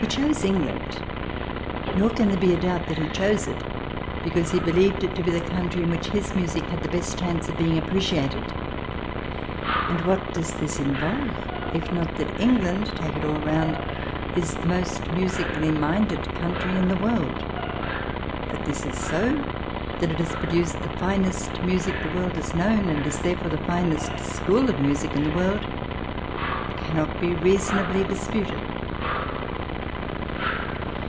He chose England; nor can there be a doubt that he chose it because he believed it to be the country in which his music had the best chance of being appreciated. And what does this involve, if not that England, take it all round, is the most musically minded country in the world? That this is so, that it has produced the finest music the world has known, and is therefore the finest school of music in the world, cannot be reasonably disputed.